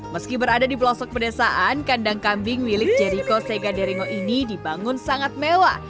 meski berada di pelosok pedesaan kandang kambing milik jeriko sega deringo ini dibangun sangat mewah